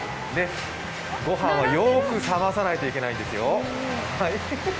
ごはんは、よく冷まさないといけないんですよ。